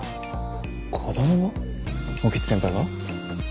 興津先輩が？